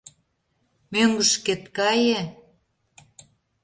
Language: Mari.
Мӧҥгышкет кае!